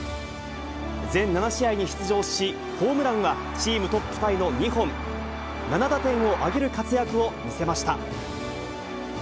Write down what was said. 全７試合に出場し、ホームランはチームトップタイの２本、７打点を挙げる活躍を見せました。